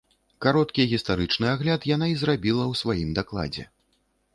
Кароткі гістарычны агляд яна і зрабіла ў сваім дакладзе.